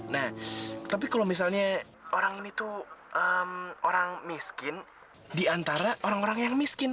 nah tapi kalau misalnya orang ini tuh orang miskin diantara orang orang yang miskin